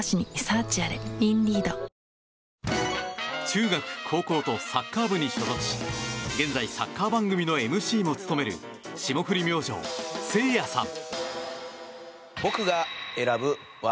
中学、高校とサッカー部に所属し現在、サッカー番組のＭＣも務める霜降り明星せいやさん。